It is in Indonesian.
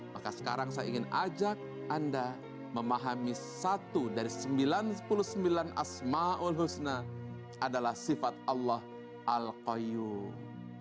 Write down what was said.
maka sekarang saya ingin ajak anda memahami satu dari sembilan puluh sembilan ⁇ asmaul ⁇ husna adalah sifat allah al qayyum